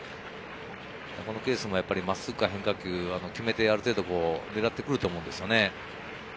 このケースも真っすぐから変化球を決めて、ある程度ねらってくると思うんですよね。